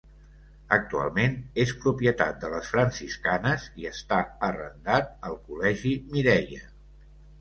Actualment és propietat de les Franciscanes i està arrendat al Col·legi Mireia.